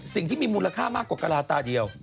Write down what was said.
สิ่งที่มีมูลค่ามากกว่ากะลาตาเดียว